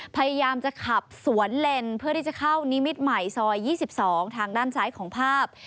พยายามจะขับสวนเลนเพื่อที่จะเข้านิมิตรใหม่ซอย๒๒ทางด้านซ้ายของภาพ